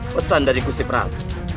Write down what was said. pesan dari kusi perang